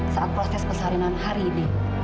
saat proses persarinan hari ini